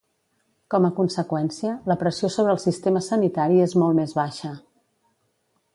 Com a conseqüència, la pressió sobre el sistema sanitari és molt més baixa.